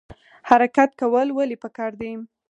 حرکت کول ولې پکار دي؟